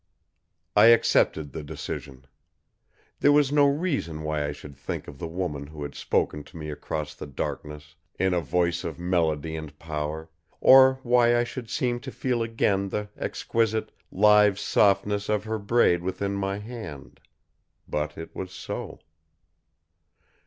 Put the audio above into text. I accepted the decision. There was no reason why I should think of the woman who had spoken to me across the darkness in a voice of melody and power, or why I should seem to feel again the exquisite, live softness of her braid within my hand. But it was so.